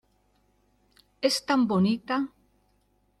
¡ es tan bonita!